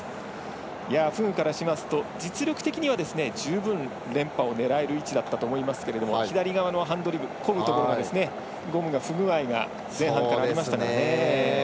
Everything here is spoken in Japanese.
フグからしますと実力的には十分連覇が狙える位置だと思いましたが左側のハンドリムゴムが不具合が前半からありましたからね。